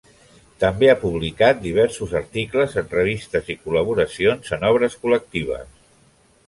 També ha publicat diversos articles en revistes i col·laboracions en obres col·lectives.